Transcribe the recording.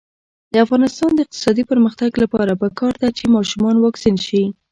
د افغانستان د اقتصادي پرمختګ لپاره پکار ده چې ماشومان واکسین شي.